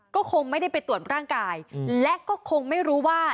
ก็คงไม่ได้ไปตรวจร่างกายและก็คงไม่รู้ว่า